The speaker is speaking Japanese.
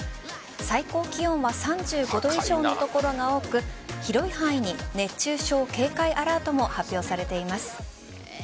最高気温は３５度以上の所が多く広い範囲に熱中症警戒アラートも発表されています。